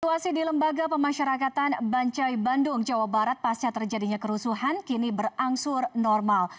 situasi di lembaga pemasyarakatan bancai bandung jawa barat pasca terjadinya kerusuhan kini berangsur normal